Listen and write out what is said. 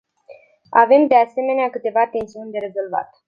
Avem, de asemenea, câteva tensiuni de rezolvat.